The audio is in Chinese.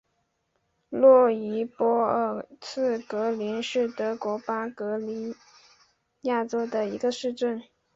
洛伊波尔茨格林是德国巴伐利亚州的一个市镇。